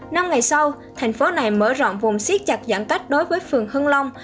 năm ngày sau thành phố này mở rộng vùng siết chặt giãn cách đối với phường hưng long